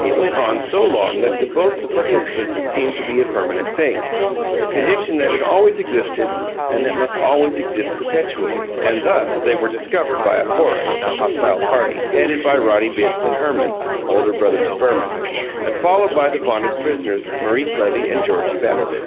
It went on so long that to both the participants it seemed to be a permanent thing, a condition that had always existed and that must always exist perpetually. And thus they were discovered by a foray of the hostile party, headed by Roddy Bitts and Herman (older brother to Verman) and followed by the bonded prisoners, Maurice Levy and Georgie Bassett.